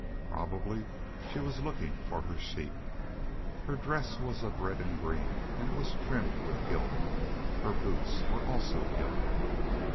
Probably she was looking for her sheep. Her dress was of red and green, and it was trimmed with gilt. Her boots were also gilt.